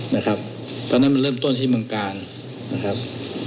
นะครับตอนนั้นมันเริ่มต้นที่เมืองกาลนะครับ